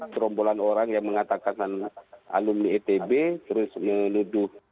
terombolan orang yang mengatakan alumni itb terus menuduh